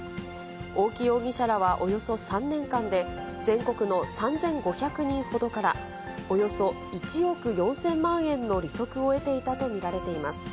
大木容疑者らはおよそ３年間で、全国の３５００人ほどから、およそ１億４０００万円の利息を得ていたと見られています。